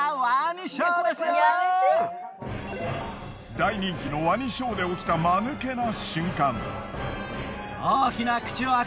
大人気のワニショーで起きたマヌケな瞬間。